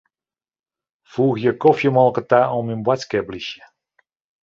Foegje kofjemolke ta oan myn boadskiplistke.